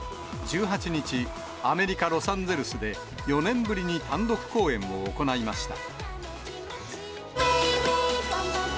１８日、アメリカ・ロサンゼルスで、４年ぶりに単独公演を行いました。